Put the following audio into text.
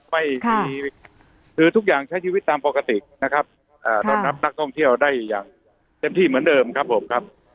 ไม่มีคือทุกอย่างใช้ชีวิตตามปกตินะครับต้อนรับนักท่องเที่ยวได้อย่างเต็มที่เหมือนเดิมครับผมครับ